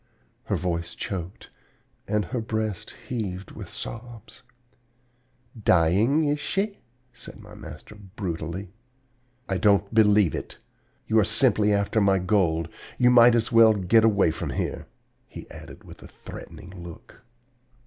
Her voice choked, and her breast heaved with sobs. "'Dying, is she?' said my master brutally. 'I don't believe it. You are simply after my gold. You might as well get away from here,' he added with a threatening look.